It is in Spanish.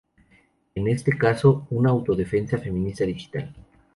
en este caso, una autodefensa feminista digital